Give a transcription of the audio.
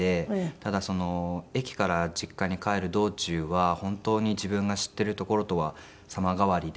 ただ駅から実家に帰る道中は本当に自分が知っている所とは様変わりで。